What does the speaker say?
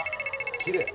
きれい。